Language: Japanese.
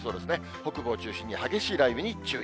北部を中心に激しい雷雨に注意。